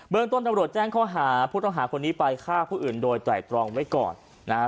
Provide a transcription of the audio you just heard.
ต้นตำรวจแจ้งข้อหาผู้ต้องหาคนนี้ไปฆ่าผู้อื่นโดยไตรตรองไว้ก่อนนะฮะ